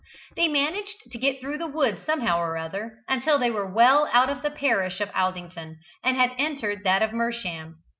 They managed to get through the wood somehow or other, until they were well out of the parish of Aldington and had entered that of Mersham.